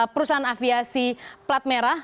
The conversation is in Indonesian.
perusahaan aviasi plat merah